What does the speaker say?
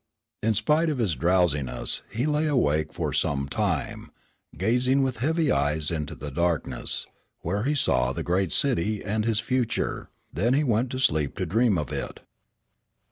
In spite of his drowsiness, he lay awake for some time, gazing with heavy eyes into the darkness, where he saw the great city and his future; then he went to sleep to dream of it.